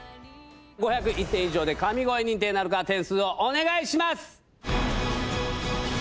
５０１点以上で神声認定なるか、点数をお願いします。